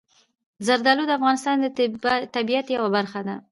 زردالو د افغانستان د طبیعت یوه برخه ده.